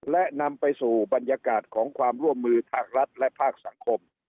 และนำไปสู่บรรยากาศของความร่วมมือภาครัฐและภาคสังคม